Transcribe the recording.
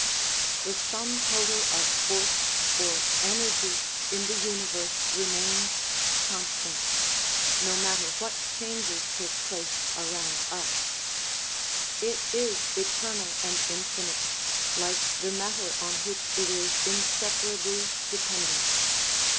The sum total of force or energy in the universe re mains constant, no matter what changes take place around us; it is eternal and infinite, like the matter on which it is inseparably dependent.